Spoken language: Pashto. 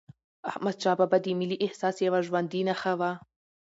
احمدشاه بابا د ملي احساس یوه ژوندي نښه وه.